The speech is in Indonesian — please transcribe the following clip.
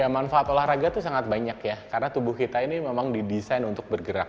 manfaat olahraga itu sangat banyak ya karena tubuh kita ini memang didesain untuk bergerak